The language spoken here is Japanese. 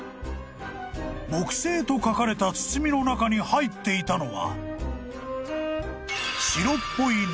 ［「木星」と書かれた包みの中に入っていたのは］